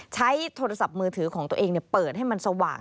ใช้โทรศัพท์มือถือของตัวเองเปิดให้มันสว่าง